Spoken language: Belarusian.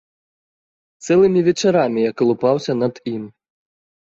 Цэлымі вечарамі я калупаўся над ім.